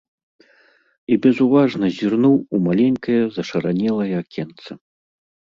І безуважна зірнуў у маленькае зашаранелае акенца.